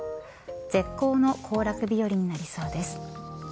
絶好の行楽日和になりそうです。